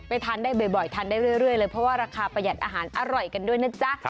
ทานได้บ่อยทานได้เรื่อยเลยเพราะว่าราคาประหยัดอาหารอร่อยกันด้วยนะจ๊ะ